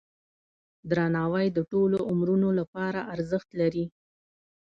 درناوی د ټولو عمرونو لپاره ارزښت لري.